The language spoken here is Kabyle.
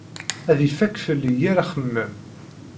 Ad ifakk fell-i yir axemmem.